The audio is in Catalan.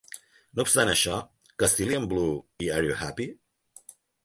No obstant això, "Castillian Blue" i "Are You Happy?